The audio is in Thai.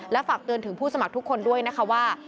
ฝากเตือนถึงผู้สมัครทุกคนด้วยนะคะว่า